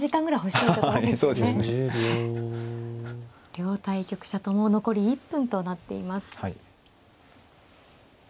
両対局者とも残り１分となっています。